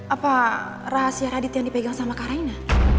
apa rahasia radit yang dipegang sama kak raina